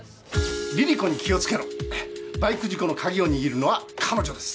リリ子に気をつけろバイク事故の鍵を握るのは彼女です